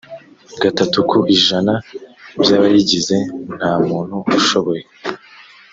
gatatu ku ijana by abayigize nta muntu ushoboye